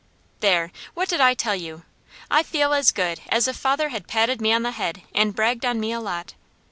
There! What did I tell you? I feel as good as if father had patted me on the head and bragged on me a lot.